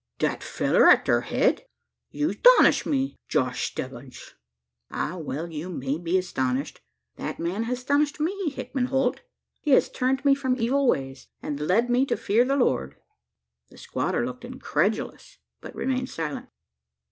"That feller at thur head? You 'stonish me, Josh Stebbins." "Ah! well you may be astonished. That man has astonished me, Hickman Holt. He has turned me from evil ways, and led me to fear the Lord." The squatter looked incredulous, but remained silent.